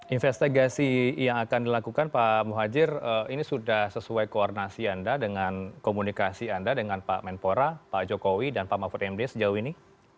investigasi yang akan dilakukan pak muhajir ini sudah sesuai koordinasi anda dengan komunikasi anda dengan pak menpora pak jokowi dan pak mahfud md sejauh ini